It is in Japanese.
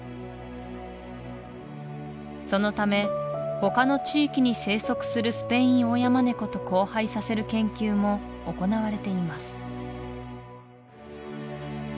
そのため他の地域に生息するスペインオオヤマネコと交配させる研究も行われています